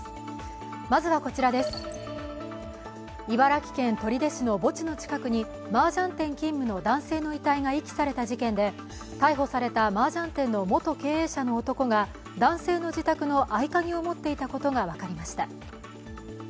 茨城県取手市の墓地の近くにマージャン店勤務の男性の遺体が遺棄された事件で、逮捕されたマージャン店の元経営者の男が男性の自宅の合鍵を持っていたことが分かりました。